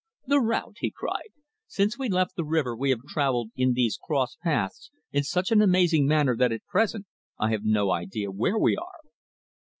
"The route!" he cried. "Since we left the river we have travelled in these cross paths in such an amazing manner that at present I have no idea where we are."